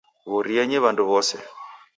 Ghorienyi w'andu w;ose